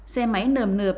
xe máy nườm nượp